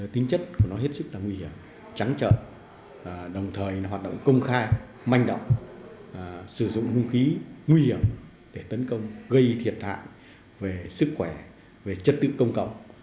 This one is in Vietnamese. tính chất của nó hiếp sức là nguy hiểm trắng trợn đồng thời hoạt động công khai manh động sử dụng hùng khí nguy hiểm để tấn công gây thiệt hại về sức khỏe về trật tự công cộng